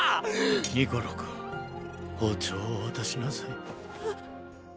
ニコロ君包丁を渡しなさい。